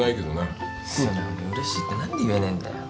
素直にうれしいって何で言えねえんだよ。